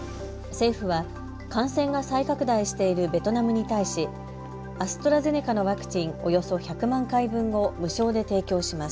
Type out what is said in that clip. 政府は感染が再拡大しているベトナムに対しアストラゼネカのワクチンおよそ１００万回分を無償で提供します。